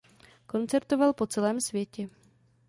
Koncertoval po celém světě.